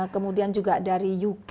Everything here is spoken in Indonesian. kemudian juga dari uk